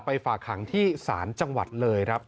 ฝากขังที่ศาลจังหวัดเลยครับ